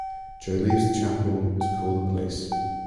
Jo leaves the chapel to call the police.